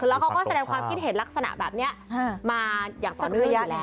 แล้วเขาก็แสดงความคิดเห็นลักษณะแบบนี้มาอย่างต่อเนื่องอยู่แล้ว